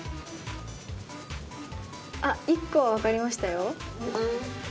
あっ１個は分かりましたよ。